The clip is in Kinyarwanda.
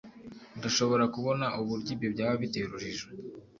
Ndashobora kubona uburyo ibyo byaba biteye urujijo.